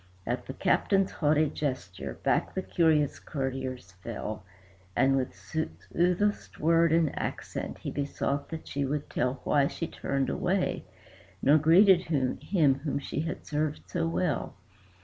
At the Captain's haughty gesture, back the curious courtiers fell, And with soothest word and accent he besought that she would tell Why she turned away, nor greeted him whom she had served so well.